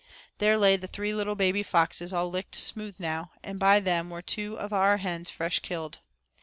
There lay the three little baby foxes all licked smooth now, and by them were two of our hens fresh killed.